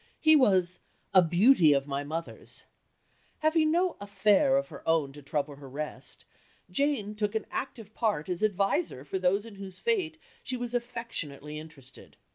He was "a beauty of my mother's." Having no affaire of her own to trouble her rest, Jane took an active part as adviser for those in whose fate she was affectionately interested.